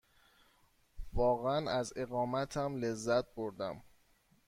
واقعاً از اقامتم لذت بردم.